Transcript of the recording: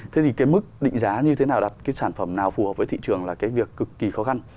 thế thì cái mức định giá như thế nào đặt cái sản phẩm nào phù hợp với thị trường là cái việc cực kỳ khó khăn